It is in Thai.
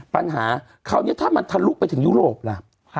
ปัญหาคราวนี้ถ้ามันทะลุไปถึงยุโรปล่ะ